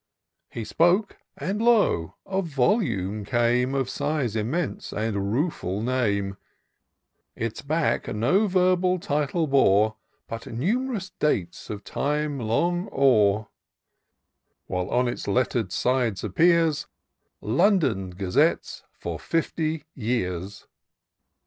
He spoke — and lo ! a Volume came. Of size immense and ruefrd name : Its back no verbal title bore ; But numerous dates of time long o*er : While on its letter'd sides appears * London Gazettes for Fifty Years!!'